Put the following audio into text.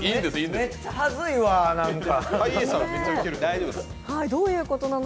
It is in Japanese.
めっちゃハズいわ、何か。